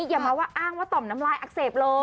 อย่ามาว่าอ้างว่าต่อมน้ำลายอักเสบเลย